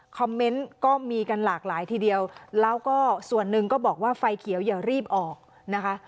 เมนต์ก็มีกันหลากหลายทีเดียวแล้วก็ส่วนหนึ่งก็บอกว่าไฟเขียวอย่ารีบออกนะคะ